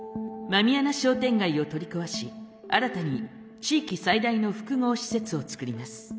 狸穴商店街を取り壊し新たに地域最大の複合施設を作ります。